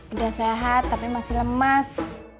udah sehat tapi masih lemas